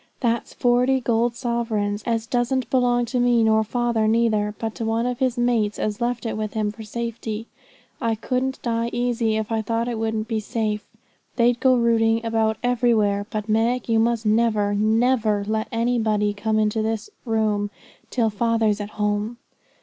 'That's forty gold sovereigns, as doesn't belong to me, nor father neither, but to one of his mates as left it with him for safety. I couldn't die easy if I thought it wouldn't be safe. They'd go rooting about everywhere; but, Meg, you must never, never, never let anybody come into the room till father's at home.'